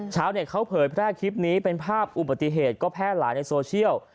ชาวเน็ตเขาเผยแพร่คลิปนี้เป็นภาพอุบัติเหตุก็แพร่หลายในโซเชียล